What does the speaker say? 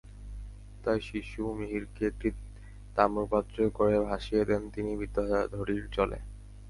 তাই শিশু মিহিরকে একটি তাম্রপাত্রে করে ভাসিয়ে দেন তিনি বিদ্যাধরীর জলে।